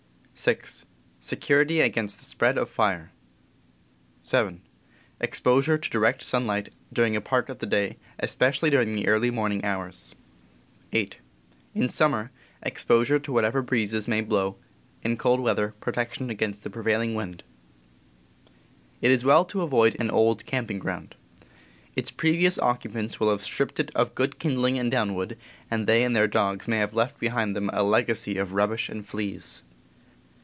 6. Security against the spread of fire. 7. Exposure to direct sunHght during a part of the day, especially during the early morning hours. 8. In summer, exposure to whatever breezes may blow; in cold weather, protection against the prevail ing wind. It is well to avoid an old camping ground. Its previous occupants will have stripped it of good kin dling and downwood, and they and their dogs may have left behind them a legacy of rubbish and fleas.